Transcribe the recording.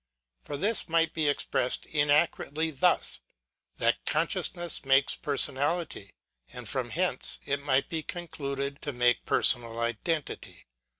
For, this might be expressed inaccurately thus, that consciousness makes personality : and from hence it might be concluded to make personal identity.